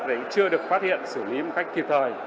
đấy chưa được phát hiện xử lý một cách kịp thời